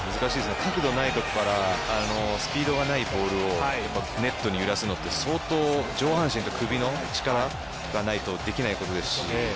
角度ないところからスピードがないボールをネットを揺らすのって相当上半身と首の力がないとできないことですし。